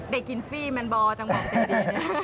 ได้กินฟรีแมนบอร์จังหวังใจดี